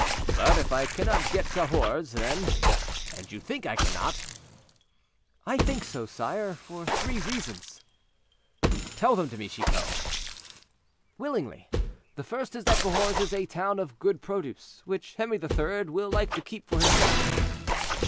But if I cannot get Cahors, then, and you think I cannot—" "I think so, sire, for three reasons." "Tell them to me, Chicot." "Willingly. The first is that Cahors is a town of good produce, which Henri III. will like to keep for himself."